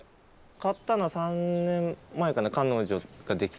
買ったのは３年前かな彼女ができて。